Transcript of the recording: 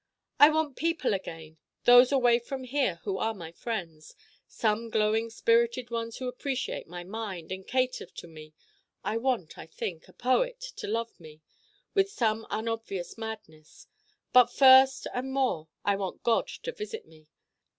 I want people again, those away from here who are my friends some glowing spirited ones who appreciate my Mind and cater to me: I want, I think, a poet to love me with some unobvious madness: but first and more I want God to visit me.